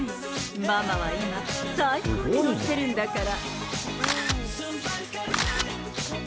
ママは今、さいっこーに乗ってるんだから！